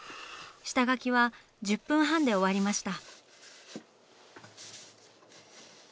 下描きは１０分半で終わりました。